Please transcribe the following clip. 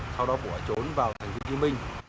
sau đó bỏ trốn vào tp hcm